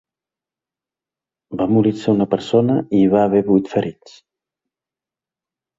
Va morir-se una persona i hi va haver vuit ferits.